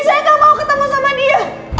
saya gak mau ketemu sama dia